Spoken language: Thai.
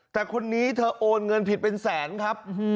แต่คนนี้เธอโอนเงินผิดเป็นแสนครับ